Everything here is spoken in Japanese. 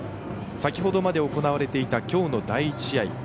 先ほどまで行われていたきょうの第１試合。